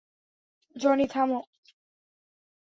Johnny, থামো!